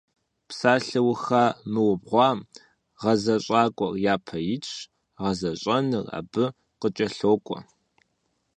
Псалъэуха мыубгъуам гъэзэщӏакӏуэр япэ итщ, гъэзэщӏэныр абы къыкӏэлъокӏуэ.